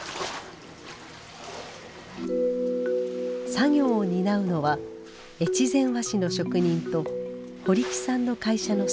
作業を担うのは越前和紙の職人と堀木さんの会社のスタッフたち。